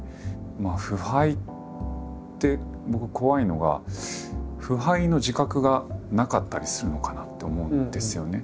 まあ腐敗って僕怖いのが腐敗の自覚がなかったりするのかなって思うんですよね。